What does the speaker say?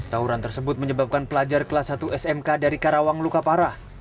tawuran tersebut menyebabkan pelajar kelas satu smk dari karawang luka parah